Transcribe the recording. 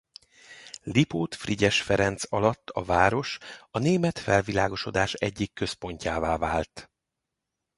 Lipót Frigyes Ferenc alatt a város a német felvilágosodás egyik központjává vált.